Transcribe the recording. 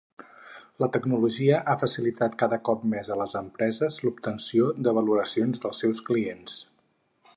La tecnologia ha facilitat cada cop més a les empreses l'obtenció de valoracions dels seus clients.